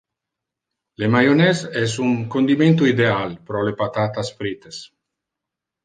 Le mayonnaise es un condimento ideal pro le patatas frites.